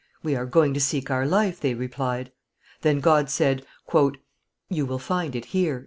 "We are going to seek our life," they replied. Then God said, "You will find it here."